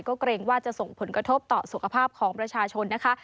ก็เกรงว่าจะส่งผลกระทบต่อสุขภาพของประชาชนนะคะ